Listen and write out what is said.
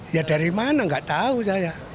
ya dari mana nggak tahu saya